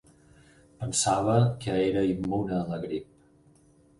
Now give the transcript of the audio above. Pensava que era immune a la grip.